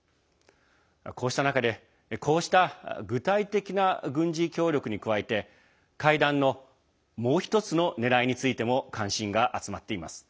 こうした中で、こうした具体的な軍事協力に加えて、会談のもう１つのねらいについても関心が集まっています。